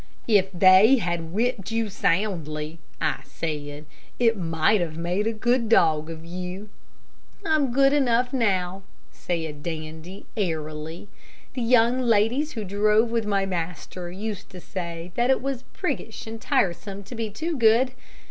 "If they had whipped you soundly," I said, "it might have made a good dog of you." "I'm good enough now," said Dandy, airily. "The young ladies who drove with my master used to say that it was priggish and tiresome to be too good.